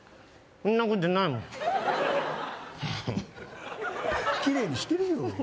そんなことないもんうん？